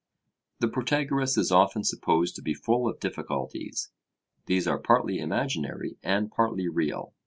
The Protagoras is often supposed to be full of difficulties. These are partly imaginary and partly real.